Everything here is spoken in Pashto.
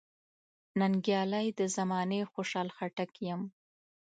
ننګیالی د زمانې خوشحال خټک یم .